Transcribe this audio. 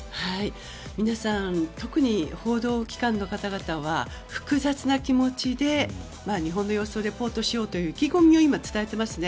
皆さん特に報道機関の方々は複雑な気持ちで日本の様子をリポートしようという意気込みを今、伝えていますね。